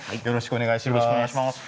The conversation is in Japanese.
よろしくお願いします。